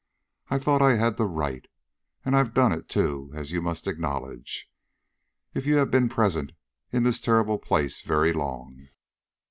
I thought I had the right. And I've done it, too, as you must acknowledge, if you have been present in this terrible place very long."